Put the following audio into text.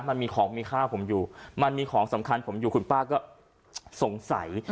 มันมีของมีค่าผมอยู่มันมีของสำคัญผมอยู่คุณป้าก็สงสัย